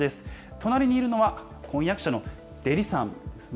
隣にいるのは、婚約者のデリさんですね。